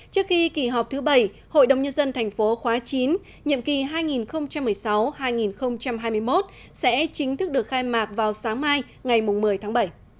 trước khi kỳ họp thứ bảy hội đồng nhân dân tp khóa chín nhiệm kỳ hai nghìn một mươi sáu hai nghìn hai mươi một sẽ chính thức được khai mạc vào sáng mai ngày một mươi tháng bảy